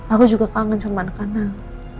aku juga kangen sama anak kanan